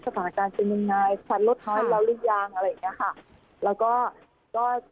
สถานการณ์เป็นยังไงชัดลดน้อยแล้วหรือยังอะไรอย่างนี้ค่ะ